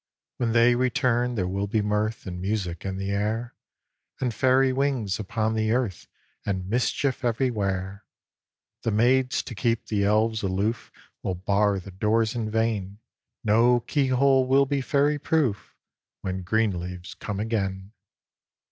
__When they return there will be mirth, And music in the air, And Fairy wings upon the earth, And mischief everywhere. The maids, to keep the Elves aloof, Will bar the doors in vain; No keyhole will be Fairy proof, When green leaves come again.